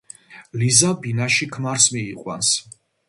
ლიზა ბინაში ქმარს მიიყვანს.